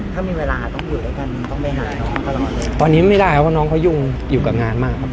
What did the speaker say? ถ้ามีเวลาต้องอยู่ด้วยกันต้องไปหาตอนนี้ไม่ได้ครับเพราะน้องเขายุ่งอยู่กับงานมากครับ